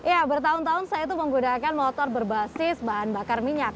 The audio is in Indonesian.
ya bertahun tahun saya itu menggunakan motor berbasis bahan bakar minyak